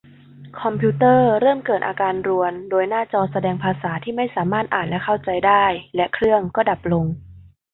คอมพิวเตอร์เริ่มเกิดอาการรวนโดยหน้าจอแสดงภาษาที่ไม่สามารถอ่านและเข้าใจได้ และเครื่องก็ดับลง